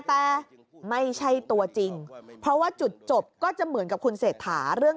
แต่ไม่ใช่ตัวจริงเพราะว่าจุดจบก็จะเหมือนกับคุณเศรษฐาเรื่อง